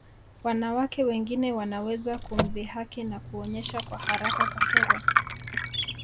Wanawake wengine wanaweza kumdhihaki na kuonyesha kwa haraka kasoro